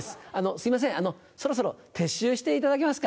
すいませんそろそろ撤収していただけますか？